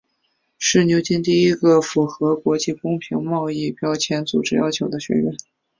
是牛津第一个符合国际公平贸易标签组织要求的学院。